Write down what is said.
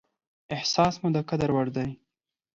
احساس مو د قدر وړ دى.